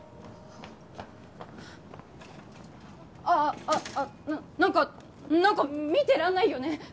あああっあっ何か何か見てらんないよね